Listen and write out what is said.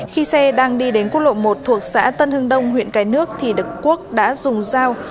khi xe đang đi đến quốc lộ một thuộc xã tân hưng đông huyện cái nước thì được quốc đã dùng dao